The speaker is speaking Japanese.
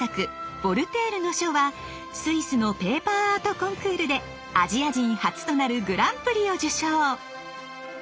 「ヴォルテールの書」はスイスのペーパーアートコンクールでアジア人初となるグランプリを受賞。